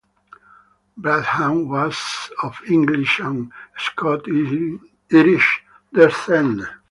Bradham was of English and Scotch-Irish descent.